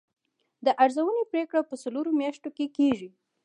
د ارزونې پریکړه په څلورو میاشتو کې کیږي.